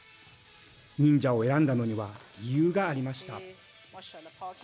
忍者を選んだのには理由がありました。